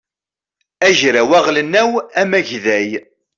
agraw aɣelnaw amagday